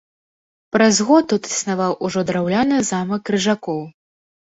Праз год тут існаваў ужо драўляны замак крыжакоў.